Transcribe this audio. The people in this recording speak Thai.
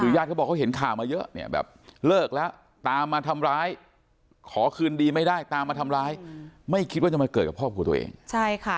ญาติเขาบอกเขาเห็นข่าวมาเยอะเนี่ยแบบเลิกแล้วตามมาทำร้ายขอคืนดีไม่ได้ตามมาทำร้ายไม่คิดว่าจะมาเกิดกับครอบครัวตัวเองใช่ค่ะ